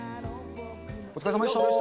お疲れさまでした。